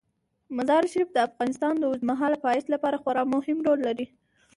مزارشریف د افغانستان د اوږدمهاله پایښت لپاره خورا مهم رول لري.